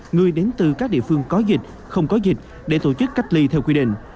người đến từ các địa phương có dịch không có dịch để tổ chức cách ly theo quy định